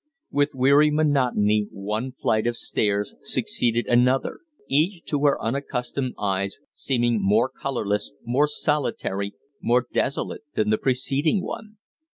With weary monotony one flight of stairs succeeded another; each, to her unaccustomed eyes, seeming more colorless, more solitary, more desolate than the preceding one.